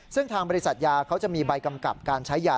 ซึ่งทางบริษัทยาเขาจะมีใบกำกับการใช้ยา